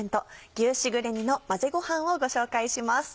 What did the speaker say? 「牛しぐれ煮の混ぜごはん」をご紹介します。